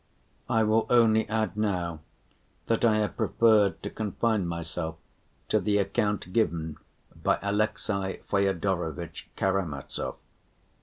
I will only add now that I have preferred to confine myself to the account given by Alexey Fyodorovitch Karamazov.